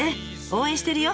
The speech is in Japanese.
応援してるよ！